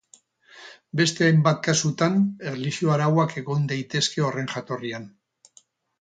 Beste hainbat kasutan erlijio arauak egon daitezke horren jatorrian.